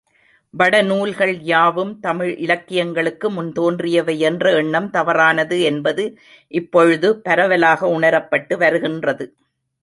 வடநூல்கள் யாவும் தமிழ் இலக்கியங்களுக்கு முன் தோன்றியவையென்ற எண்ணம் தவறானது என்பது இப்பொழுது பரவலாக உணரப்பட்டு வருகின்றது.